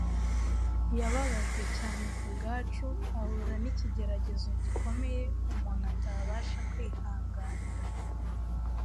yababajwe cyane ku bwacu ahura n’ikigeragezo gikomeye umuntu atabasha kwihanganira